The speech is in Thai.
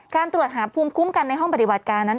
การตรวจหาภูมิคุ้มกันในห้องปฏิบัติการนั้น